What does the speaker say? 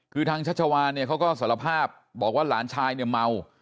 คือทางชัชวานเนี่ยเขาก็สารภาพบอกว่าหลานชายเนี่ยเมา